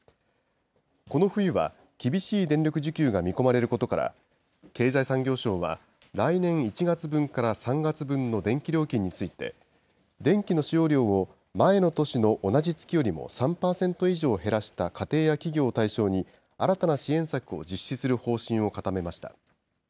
この冬は、厳しい電力需給が見込まれることから、経済産業省は来年１月分から３月分の電気料金について、電気の使用量を前の年の同じ月よりも３％以上減らした家庭や企業を対象に、新たな支援策を実施する方針を固めました。